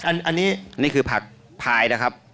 อันนี้นี่คือผักพายนะครับ